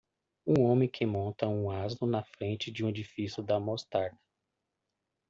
Um homem que monta um asno na frente de um edifício da mostarda.